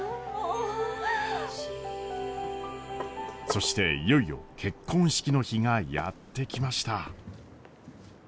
そしていよいよ結婚式の日がやって来ました。